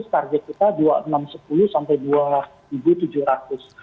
target kita enam ratus sepuluh sampai rp dua tujuh ratus